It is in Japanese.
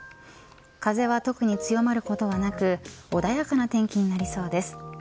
風は特に強まることはなく穏やかな天気になりそうです。